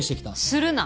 するな！